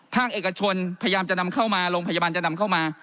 ภาคเอกชนพยายามจะนำเข้ามาโรงพยาบาลจะนำเข้ามา